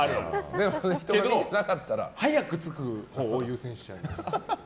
でも、早く着くほうを優先しちゃう。